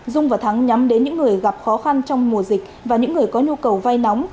dung và thắng nhắm đến những người gặp khó khăn trong mùa dịch và những người có nhu cầu vay nóng